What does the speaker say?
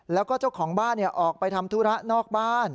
แล้วก็เจ้าของบ้านออกไปทำธุระนอกบ้าน